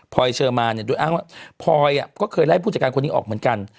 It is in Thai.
พอยเชอร์มานเนี่ยโดยอ้างว่าพลอยก็เคยไล่ผู้จัดการคนนี้ออกเหมือนกัน